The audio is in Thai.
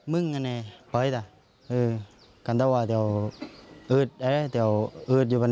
บนคาที่นายคุณช่วยช่วยอภัย